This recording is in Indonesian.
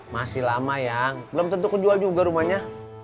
masih lama yang belum tentu kejual juga rumahnya